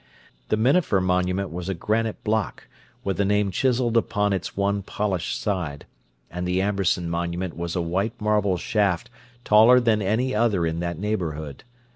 The Minafer monument was a granite block, with the name chiseled upon its one polished side, and the Amberson monument was a white marble shaft taller than any other in that neighbourhood.